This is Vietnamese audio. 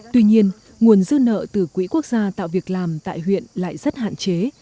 tuy nhiên nguồn dư nợ từ quỹ quốc gia tạo việc làm tại huyện lại rất hạn chế